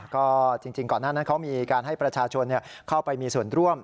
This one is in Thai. ก็จริงก่อนหน้านั้นเขามีการให้ประชาชนเข้าไปมีส่วนร่วม